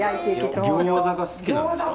餃子が好きなんですか？